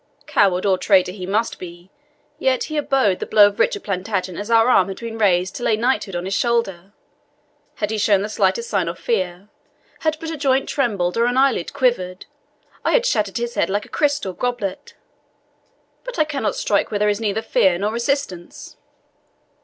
Coward or traitor he must be, yet he abode the blow of Richard Plantagenet as our arm had been raised to lay knighthood on his shoulder. Had he shown the slightest sign of fear, had but a joint trembled or an eyelid quivered, I had shattered his head like a crystal goblet. But I cannot strike where there is neither fear nor resistance."